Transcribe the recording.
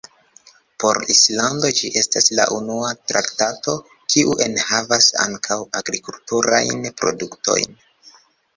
Por Islando, ĝi estas la unua traktato, kiu enhavas ankaŭ agrikulturajn produktojn.